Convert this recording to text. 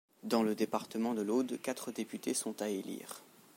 Dans le département de l'Aude, quatre députés sont à élire.